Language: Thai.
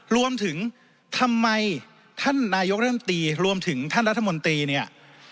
รวมถึงทำไมท่านนายกรัฐมนตรีรวมถึงท่านรัฐมนตรีเนี่ย